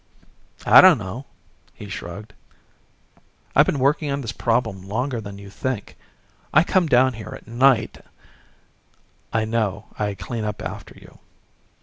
"I don't know." He shrugged, "I've been working on this problem longer than you think. I come down here at night " "I know. I clean up after you."